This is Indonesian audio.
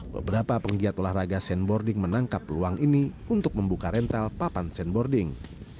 beberapa penggiat olahraga sandboarding menangkap peluang ini untuk membuka rental papan sandboarding